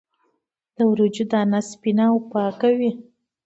د وریجو دانه سپینه او پاکه وي.